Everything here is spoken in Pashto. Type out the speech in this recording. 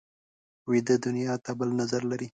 ویده دنیا ته بل نظر لري